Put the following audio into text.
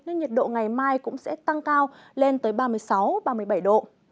nên nhiệt độ ngày mai cũng sẽ tăng cao lên tới ba mươi sáu ba mươi bảy độ